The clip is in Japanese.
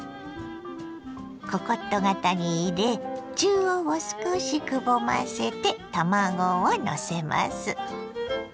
ココット型に入れ中央を少しくぼませて卵をのせます。